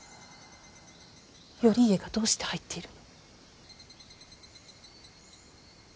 頼家がどうして入っているの。